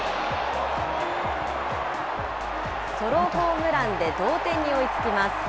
ソロホームランで同点に追いつきます。